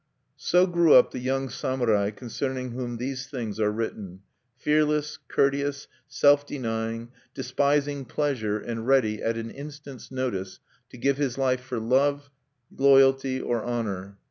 So grew up the young samurai concerning whom these things are written, fearless, courteous, self denying, despising pleasure, and ready at an instant's notice to give his life for love, loyalty, or honor.